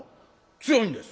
「強いんです」。